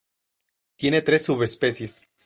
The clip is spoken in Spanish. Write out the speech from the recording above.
Tiene tres subespecies.